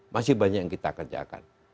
masih banyak yang kita kerjakan